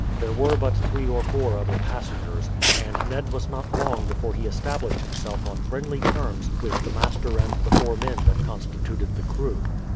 There were but three or four other passengers, and Ned was not long before he established himself on friendly terms with the master and the four men that constituted the crew.